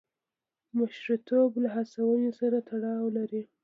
مشرتوب له هڅونې سره تړاو لري.